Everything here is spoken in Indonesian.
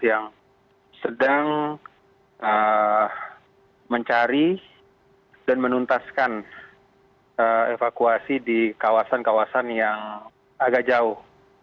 yang sedang mencari dan menuntaskan evakuasi di kawasan kawasan yang agak jauh